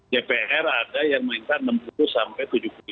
dpr ada yang minta enam puluh sampai tujuh puluh lima